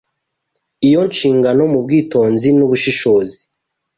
iyo nshingano mu bwitonzi n’ubushishozi